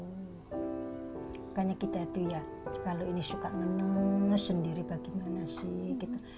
bukannya kita itu ya kalau ini suka nge nes sendiri bagaimana sih